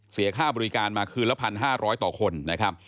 เสียค่าบริการมาคืนละ๑๕๐๐ต่อคนนะครับ